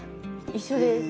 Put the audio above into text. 一緒です。